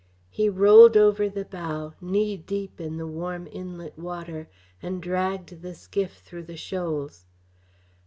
He rolled over the bow, knee deep in the warm inlet water, and dragged the skiff through the shoals.